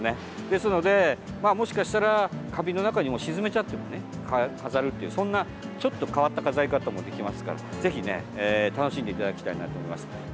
ですので、もしかしたら花瓶の中にも沈めちゃってね飾るっていうそんなちょっと変わった飾り方もできますからぜひ楽しんでいただきたいなと思います。